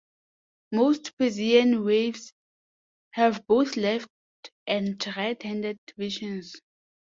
Most Persian weaves have both left and right-handed versions.